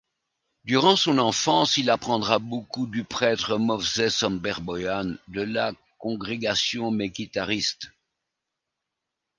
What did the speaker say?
Durant son enfance, il apprendra beaucoup du prêtre Movses Amberboyan, de la congrégation Mekhitariste.